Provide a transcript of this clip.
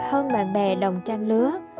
hơn bạn bè đồng trang lứa